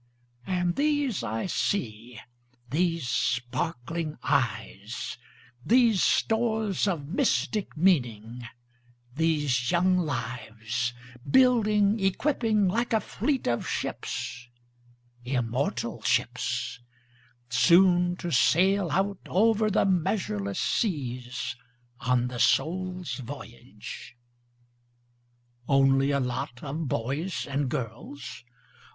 And these I see, these sparkling eyes, These stores of mystic meaning, these young lives, Building, equipping like a fleet of ships, immortal ships, Soon to sail out over the measureless seas, On the soul's voyage. Only a lot of boys and girls?